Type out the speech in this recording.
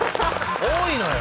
多いのよ。